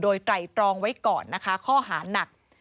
โดยไตรตรองไว้ก่อนนะคะข้อหานัก